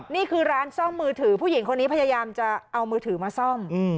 นี่คือร้านซ่อมมือถือผู้หญิงคนนี้พยายามจะเอามือถือมาซ่อม